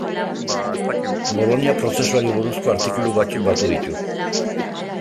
Bolonia prozesuari buruzko artikulu batzuk batu ditu.